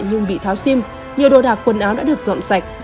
nhưng bị tháo sim nhiều đồ đạc quần áo đã được dọn sạch